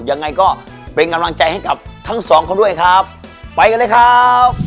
ยังไงก็เป็นกำลังใจให้กับทั้งสองเขาด้วยครับไปกันเลยครับ